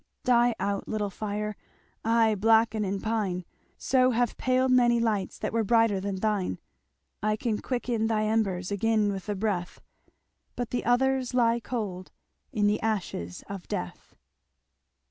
"Die out little fire Ay, blacken and pine! So have paled many lights That were brighter than thine. I can quicken thy embers Again with a breath, But the others lie cold In the ashes of death."